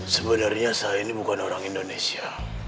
sebenarnya saya ini bukan orang indonesia